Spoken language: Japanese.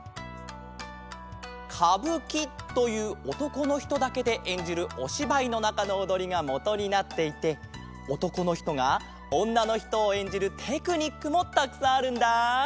かぶきというおとこのひとだけでえんじるおしばいのなかのおどりがもとになっていておとこのひとがおんなのひとをえんじるテクニックもたくさんあるんだ！